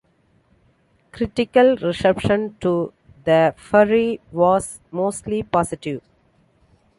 Critical reception to "The Fury" was mostly positive.